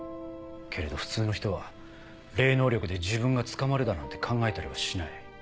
けれど普通の人は霊能力で自分が捕まるだなんて考えたりはしない。